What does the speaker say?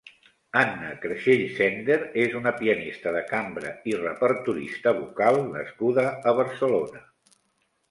Anna Crexells Sender és una pianista de cambra i repertorista vocal nascuda a Barcelona.